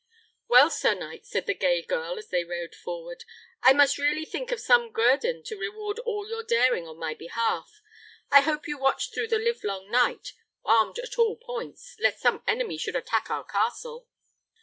"Well, sir knight," said the gay girl as they rode forward, "I must really think of some guerdon to reward all your daring in my behalf. I hope you watched through the livelong night, armed at all points, lest some enemy should attack our castle?"